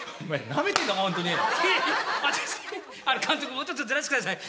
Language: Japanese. もうちょっとずらしてください。